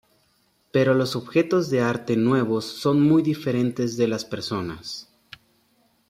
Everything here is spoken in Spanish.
Pero los objetos de arte nuevos son muy diferentes de las personas.